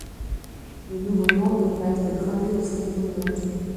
Le nouveau nom devait être gravé au fronton de l'entrée.